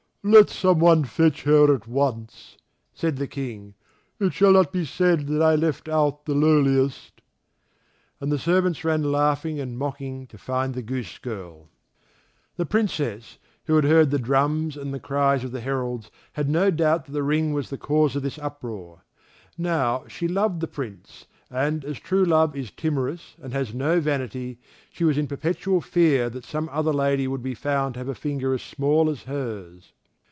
"Let someone fetch her at once," said the King; "it shall not be said that I left out the lowliest." And the servants ran laughing and mocking to find the goose girl. The Princess, who had heard the drums and the cries of the heralds, had no doubt that the ring was the cause of this uproar. Now, she loved the Prince, and, as true love is timorous and has no vanity, she was in perpetual fear that some other lady would be found to have a finger as small as hers.